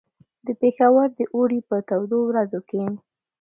د پېښور د اوړي په تودو ورځو کې.